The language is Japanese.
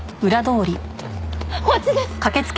こっちです！